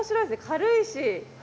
軽いし。